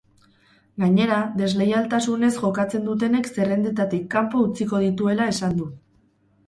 Gainera, desleialtasunez jokatzen dutenek zerrendetatik kanpo utziko dituela esan du.